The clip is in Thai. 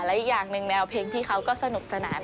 และอีกอย่างหนึ่งแนวเพลงพี่เขาก็สนุกสนาน